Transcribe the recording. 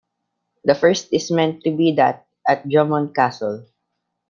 The first is meant to be that at Drummond Castle.